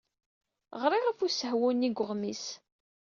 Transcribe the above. Ɣriɣ ɣef usehwu-nni deg weɣmis.